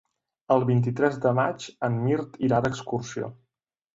El vint-i-tres de maig en Mirt irà d'excursió.